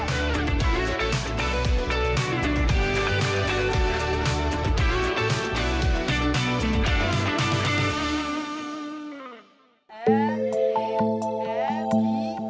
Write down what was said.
masih diberikan nama adiknya